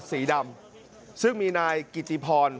สีดำซึ่งมีนายกิติพร